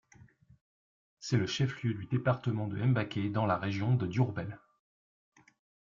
C'est le chef-lieu du département de Mbacké dans la région de Diourbel.